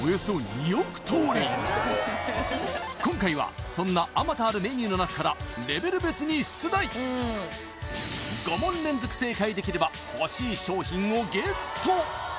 今回はそんなあまたあるメニューの中からレベル別に出題５問連続正解できれば欲しい賞品をゲット